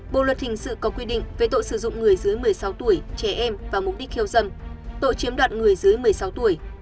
bộ luật hình sự có quy định về tội sử dụng người dưới một mươi sáu tuổi trẻ em và mục đích khiêu dâm tội chiếm đoạt người dưới một mươi sáu tuổi